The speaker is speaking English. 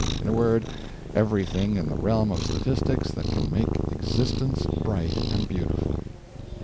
in a word, everything in the realm of statistics that can make existence bright and beautiful.